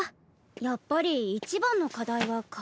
やっぱり一番の課題は会場かあ。